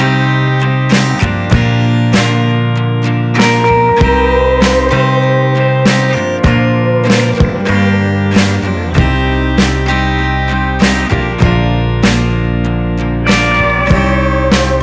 adit bangun adit